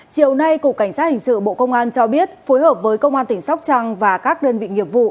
chiều nay cục cảnh sát hình sự bộ công an cho biết phối hợp với công an tỉnh sóc trăng và các đơn vị nghiệp vụ